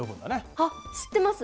あっ知ってます。